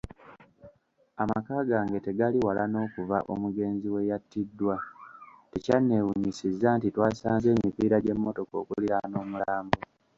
Amaka gange tegali wala n'okuva omugenzi we yattiddwa, tekyannewunyisizza nti twasanze emipiira gy'emmotoka okuliraana omulambo.